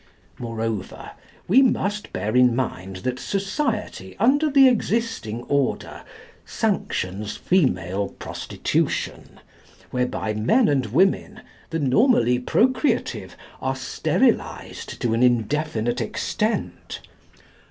Moreover, we must bear in mind that society, under the existing order, sanctions female prostitution, whereby men and women, the normally procreative, are sterilised to an indefinite extent.